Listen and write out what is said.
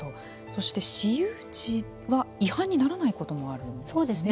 そして、私有地は違反にならないこともあるんですか。